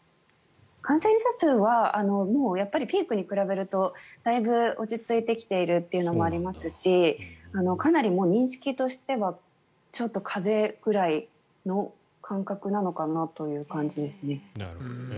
感染者数はもうピークに比べるとだいぶ落ち着いてきているというのもありますしかなり認識としてはちょっと風邪ぐらいの感覚なのかなという感じですね。